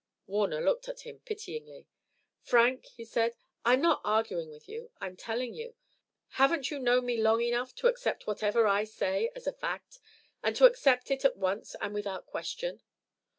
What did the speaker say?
Warner looked at him pityingly. "Frank," he said, "I'm not arguing with you. I'm telling you. Haven't you known me long enough to accept whatever I say as a fact, and to accept it at once and without question?